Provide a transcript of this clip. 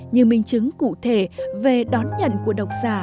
như minh chứng cụ thể về đón nhận của độc giả